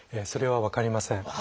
それは分かりません。